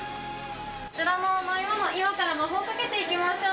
こちらのお飲み物、今から魔法をかけていきましょう。